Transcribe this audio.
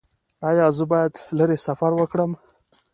ایا زه باید لرې سفر وکړم؟